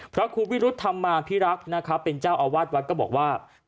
พระครูวิรุธธรรมาภิรักษ์นะครับเป็นเจ้าอาวาสวัดก็บอกว่า